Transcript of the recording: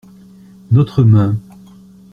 Notre main.